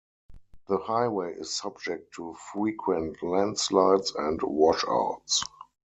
The highway is subject to frequent landslides and washouts.